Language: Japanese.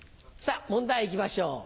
問題いきましょう。